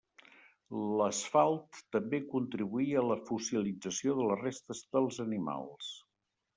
L'asfalt també contribuïa a la fossilització de les restes dels animals.